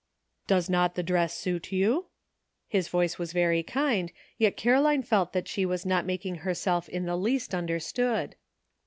'* Does not the dress suit you? " His voice was very kind, yet Caroline felt that she was not making herself in the least understood.